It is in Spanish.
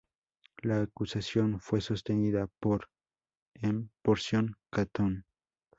La acusación fue sostenida por M. Porcio Catón.